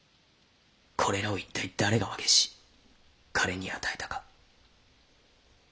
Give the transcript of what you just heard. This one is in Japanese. これらを一体誰が和解し彼に与えたか。